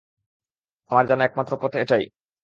আমার জানা একমাত্র পথ এটাই।